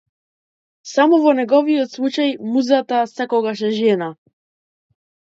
Само во неговиот случај музата секогаш е жена.